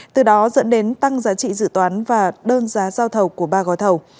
từ đó dẫn đến tăng giá trị dự toán và đơn giá giao thầu của ba gói thầu